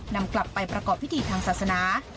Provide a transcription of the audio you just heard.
นำกลับไปประกอบพิธีทางศาสนา